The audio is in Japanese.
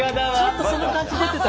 ちょっとその感じ出てた。